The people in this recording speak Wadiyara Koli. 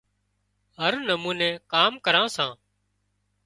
هر نموني ڪام ڪران سان